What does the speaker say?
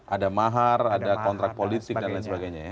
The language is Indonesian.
ada mahar ada kontrak politik dan lain sebagainya ya